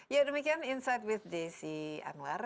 ya demikian insight with desi anwar